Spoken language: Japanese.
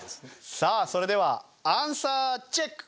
さあそれではアンサーチェック！